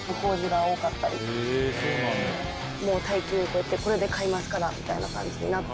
もう大金をこうやってこれで買いますからみたいな感じになって。